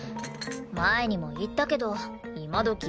前にも言ったけど今どき